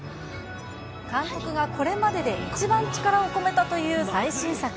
監督がこれまでで一番力を込めたという最新作。